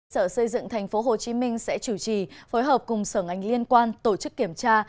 sở xây dựng tp hcm sẽ chủ trì phối hợp cùng sở ngành liên quan tổ chức kiểm tra